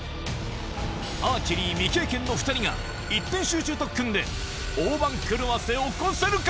アーチェリー未経験の２人が、一点集中特訓で大番狂わせを起こせるか。